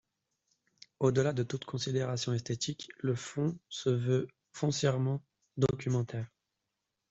Au-delà de toute considération esthétique, le Fonds se veut foncièrement documentaire.